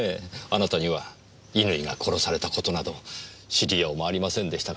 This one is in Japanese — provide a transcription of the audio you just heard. あなたには乾が殺された事など知りようもありませんでしたからねぇ。